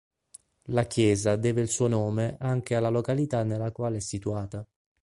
La chiesa deve il suo nome anche alla località nella quale è situata.